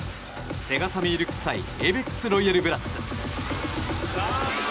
セガサミー・ルクス対エイベックス・ロイヤルブラッツ。